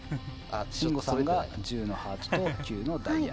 信五さんが１０のハートと９のダイヤ。